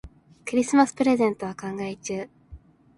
クリスマスプレゼントを考え中。